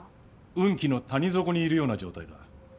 運気の谷底にいるような状態だ。